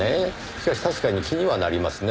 しかし確かに気にはなりますね。